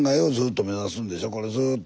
これずっと。